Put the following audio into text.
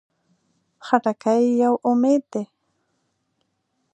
خټکی یو امید دی.